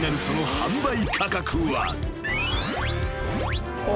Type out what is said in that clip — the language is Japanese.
その販売価格は］